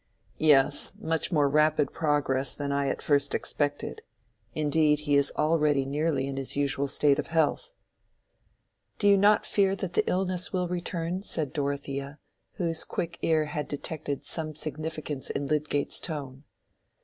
"Yes, much more rapid progress than I at first expected. Indeed, he is already nearly in his usual state of health." "You do not fear that the illness will return?" said Dorothea, whose quick ear had detected some significance in Lydgate's tone.